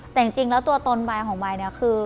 แต่จริงแล้วตัวตนบายของใบเนี่ยคือ